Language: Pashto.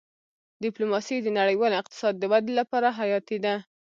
ډيپلوماسي د نړیوال اقتصاد د ودې لپاره حیاتي ده.